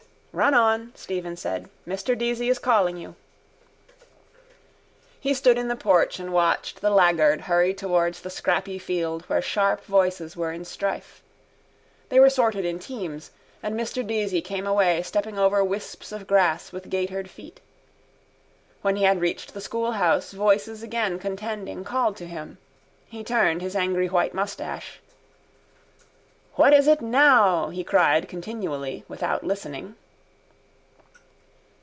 —Run on, Stephen said. Mr Deasy is calling you. He stood in the porch and watched the laggard hurry towards the scrappy field where sharp voices were in strife. They were sorted in teams and Mr Deasy came away stepping over wisps of grass with gaitered feet. When he had reached the schoolhouse voices again contending called to him. He turned his angry white moustache. —What is it now? he cried continually without listening.